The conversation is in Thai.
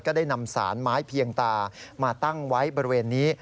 ได้นำสารไม้เพียงตามาตั้งไว้บริเวณนี้